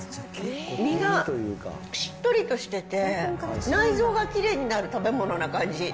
身がしっとりとしてて、内臓がきれいになる食べ物な感じ。